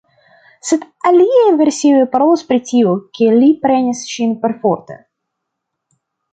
Sed aliaj versioj parolas pri tio, ke li prenis ŝin perforte.